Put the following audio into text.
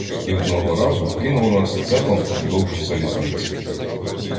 І одного разу кинуло нас цепом уздовж залізниці.